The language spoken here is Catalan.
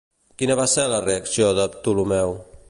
Quina va ser la reacció de Ptolemeu?